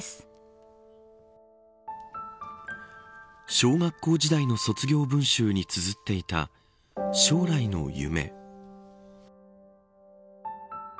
小学校時代の卒業文集につづっていた将来の夢。